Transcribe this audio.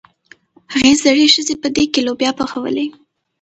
هغې زړې ښځې په دېګ کې لوبیا پخولې.